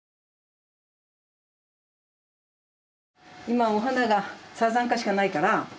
今お花がサザンカしかないから。